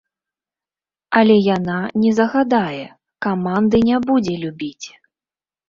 Але яна не загадае, каманды не будзе любіць.